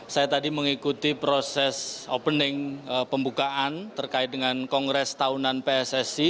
saya tadi mengikuti proses opening pembukaan terkait dengan kongres tahunan pssi